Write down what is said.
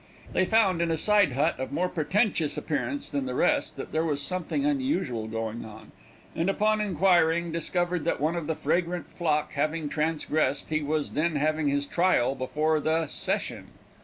They found in a side hut of more pretentious appearance than the rest, that there was something unusual going on, and upon inquiring, discovered that one of the fragrant flock having transgressed, he was then having his trial before the "session."